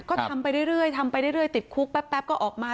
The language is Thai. ก็ทำไปเรื่อยเรื่อยทำไปเรื่อยเรื่อยติดคุกแป๊บแป๊บก็ออกมา